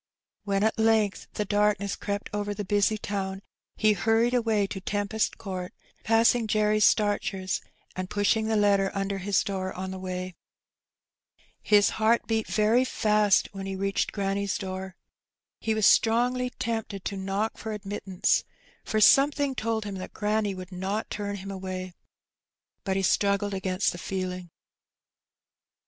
When at length the darkness crept over the busy town, he hurried away to Tempest Court, passing Jerry Starcher's, and pushing the letter under his door on the way. His Adrift. 199 heart beat very fast when he reached granny^s door. He was strongly tempted to knock for admittance, for some thing told him that granny would not turn him away, but he straggled against the feeling.